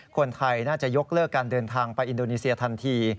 คนไทยน่าจะยกเลิกการเดินทางไปอินโดนีเซียทันที